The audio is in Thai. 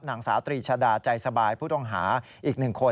นางสาวตรีชาดาใจสบายผู้ต้องหาอีกหนึ่งคน